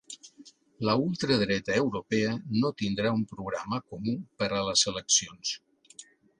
La ultradreta europea no tindrà un programa comú per a les eleccions